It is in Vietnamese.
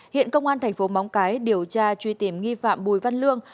hiện công an thành phố móng cái điều tra truy tìm nghi phạm bùi văn lương